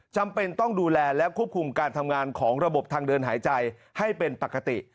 จำเป็นต้องดูแลและควบคุมการทำงานของระบบทางเดินหายใจให้เป็นปกติ